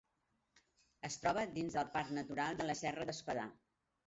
Es troba dins del Parc Natural de la Serra d'Espadà.